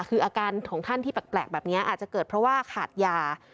คืออาการของท่านที่แปลกแบบนี้อาจจะเกิดเพราะว่าขาดยา